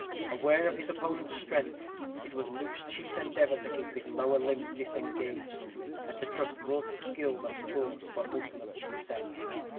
Aware of his opponent's strength, it was Luke's chief endeavor to keep his lower limbs disengaged, and to trust more to skill than force for ultimate success.